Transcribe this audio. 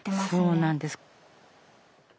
そうなんです。